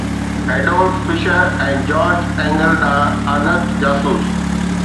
Adolf Fischer ۽ George Engel ڏانهن August جاسوس